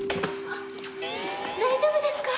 あっ大丈夫ですか？